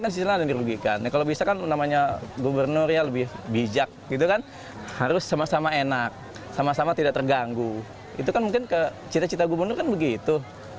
sama sama tidak terganggu itu kan mungkin cita cita gubernur kan begitu